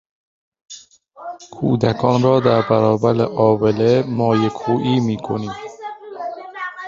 کودکان را در برابر آبله مایه کوبی میکنیم.